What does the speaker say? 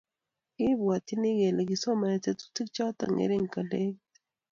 Kiibwatyi kole kisomani tetutik choto ngering kolegit